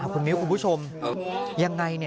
คุณมิวคุณผู้ชมอย่างไรนี่